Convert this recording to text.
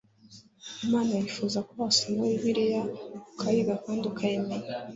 imana yifuza ko wasoma bibiliya, ukayiga kandi ukayikunda